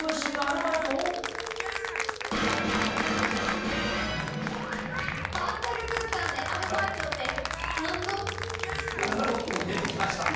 バーチャル空間でアルバイト出てきました。